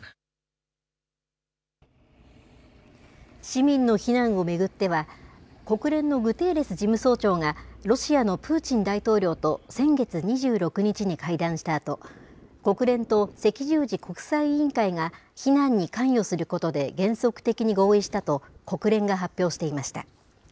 市民の避難を巡っては、国連のグテーレス事務総長が、ロシアのプーチン大統領と先月２６日に会談したあと、国連と赤十字国際委員会が、避難に関与することで原則的に合意したと、国連が発表していました。